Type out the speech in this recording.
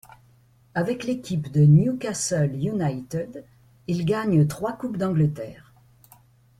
Avec l'équipe de Newcastle United, il gagne trois Coupes d'Angleterre.